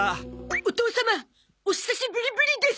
お義父様お久しぶりぶりです！